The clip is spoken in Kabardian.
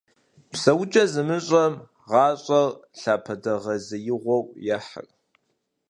ПсэукӀэ зымыщӀэм гъащӀэр лъапэдэгъэзеигъуэу ехьыр.